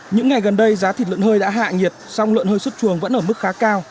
những ngày gần đây giá thịt lợn hơi đã hạ nhiệt song lợn hơi xuất chuồng vẫn ở mức khá cao